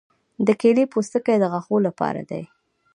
د کیلې پوستکي د غاښونو لپاره دي.